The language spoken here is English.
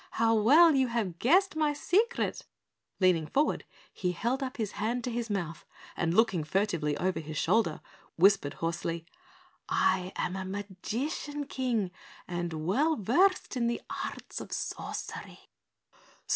How well you have guessed my secret." Leaning forward, he held his hand up to his mouth and looking furtively over his shoulder, whispered hoarsely. "I am a magician, King, and well versed in the arts of sorcery."